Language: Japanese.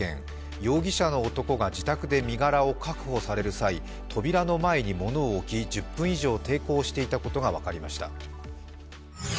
容疑者の男が自宅で身柄を確保される際、扉の前に物を置き、１０分以上抵抗していたことが分かりました。